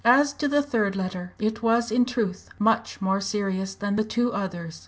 As to the third letter, it was in truth much more serious than the two others.